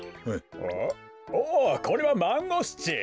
おこれはマンゴスチン！